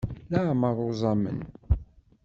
Leɛmer uẓamen.